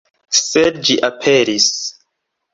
Sed ĝi aperis.